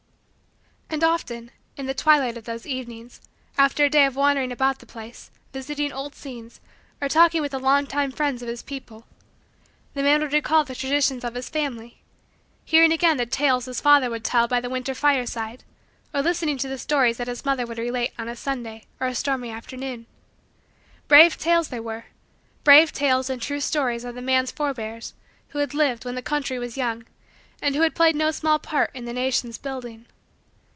And often, in the twilight of those evenings, after a day of wandering about the place, visiting old scenes, or talking with the long time friends of his people, the man would recall the traditions of his family; hearing again the tales his father would tell by the winter fireside or listening to the stories that his mother would relate on a Sunday or a stormy afternoon. Brave tales they were brave tales and true stories of the man's forbears who had lived when the country was young and who had played no small part in the nation's building.